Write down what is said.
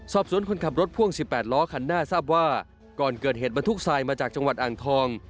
สอบสวนคนขับรถพ่วง๑๘ล้อคันหน้าทราบว่าก่อนเกิดเหตุบรรทุกทรายมาจากจังหวัดอ่างทอง